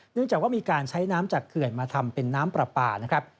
เนื่องจากว่ามีการใช้น้ำจากเขื่อนมาทำเป็นน้ำปลาปลานะครับ